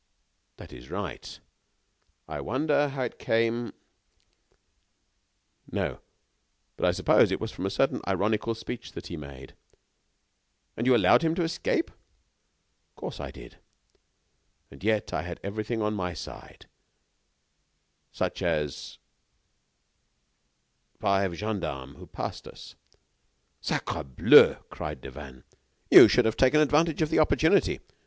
"That is right. I wonder how it came " "No, but I supposed it was from a certain ironical speech he made." "And you allowed him to escape?" "Of course I did. And yet I had everything on my side, such as five gendarmes who passed us." "Sacrableu!" cried Devanne. "You should have taken advantage of the opportunity."